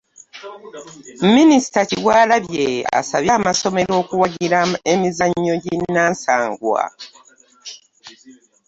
Minisita Kyewalabye asabye amasomero okuwagira emizannyo ginnansangwa.